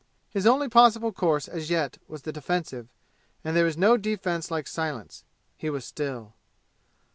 His only possible course as yet was the defensive, and there is no defense like silence. He was still.